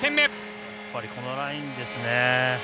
やっぱりこのラインですね。